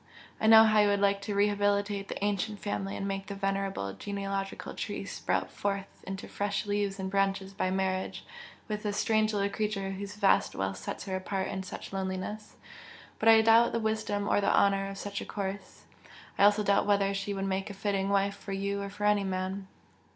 I know how you would like to rehabilitate the ancient family and make the venerable genealogical tree sprout forth into fresh leaves and branches by marriage with this strange little creature whose vast wealth sets her apart in such loneliness, but I doubt the wisdom or the honour of such a course I also doubt whether she would make a fitting wife for you or for any man!"